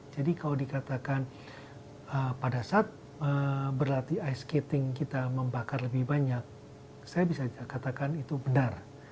jadi kalau dikatakan pada saat berlatih ice skating kita membakar lebih banyak saya bisa katakan itu benar